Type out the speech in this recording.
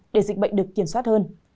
để dịch bệnh được kiểm soát hơn